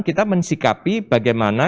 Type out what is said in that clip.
kita mensikapi bagaimana